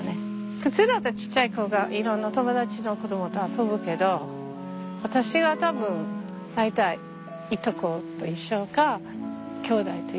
普通だったらちっちゃい子がいろんな友達の子供と遊ぶけど私は多分大体いとこと一緒かきょうだいと一緒。